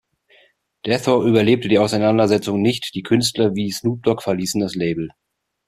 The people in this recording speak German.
Death Row überlebte die Auseinandersetzung nicht, die Künstler wie Snoop Dogg verließen das Label.